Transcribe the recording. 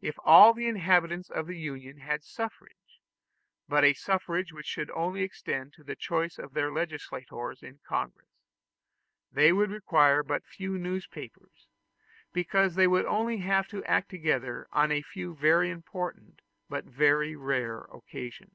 If all the inhabitants of the Union had the suffrage but a suffrage which should only extend to the choice of their legislators in Congress they would require but few newspapers, because they would only have to act together on a few very important but very rare occasions.